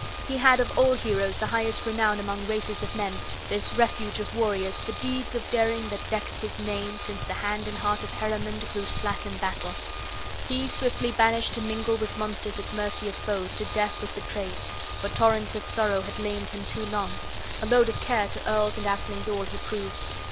He had of all heroes the highest renown among races of men, this refuge of warriors, for deeds of daring that decked his name since the hand and heart of Heremod grew slack in battle. He, swiftly banished to mingle with monsters at mercy of foes, to death was betrayed; for torrents of sorrow had lamed him too long; a load of care to earls and athelings all he proved.